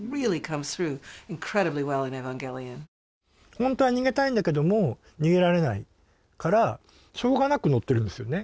ホントは逃げたいんだけども逃げられないからしょうがなく乗ってるんですよね。